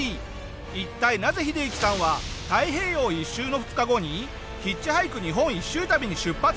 一体なぜヒデユキさんは太平洋一周の２日後にヒッチハイク日本一周旅に出発したのか？